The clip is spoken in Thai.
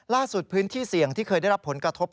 ล่าสุดพื้นที่เสี่ยงที่เคยได้รับผลกระทบ